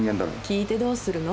聞いてどうするの？